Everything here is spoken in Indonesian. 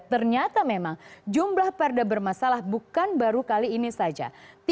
ternyata memang jumlah perda bermasalah bukan baru kali ini saja